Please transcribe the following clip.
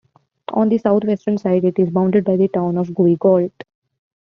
On the south-western side, it is bounded by the town of Guigauit.